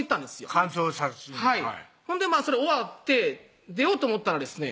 乾燥さしにはいほんでそれ終わって出ようと思ったらですね